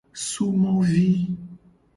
Sumovi.